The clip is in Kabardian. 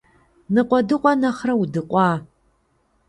Ныкъуэдыкъуэ нэхърэ уэдыкъуа.